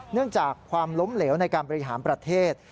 เนื่องจากความล้มเหลวในการบริหารประเทศ